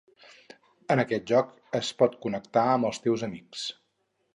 En aquest joc es pot connectar amb els teus amics.